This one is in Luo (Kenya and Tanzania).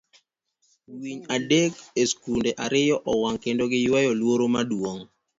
Winy adek E Skunde Ariyo Owang' Kendo Giyweyo Luoro Maduong'